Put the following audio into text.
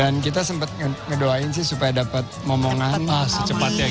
dan kita sempat ngedoain sih supaya dapat ngomongan secepatnya